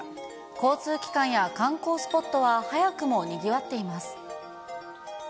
交通機関や観光スポットは早くもにぎわっています。